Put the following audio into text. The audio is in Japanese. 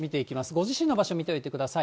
ご自身の場所、見ておいてください。